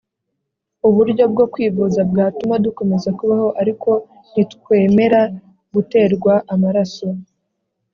uburyo bwo kwivuza bwatuma dukomeza kubaho Ariko ntitwemera guterwa amaraso